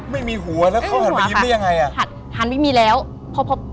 ไม่มีหัวแล้วเขาหันไปยิ้มหรือยังไง